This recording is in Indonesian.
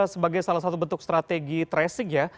sebagai salah satu bentuk strategi tracing ya